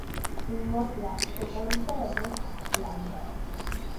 Immoble que consta de tres plantes.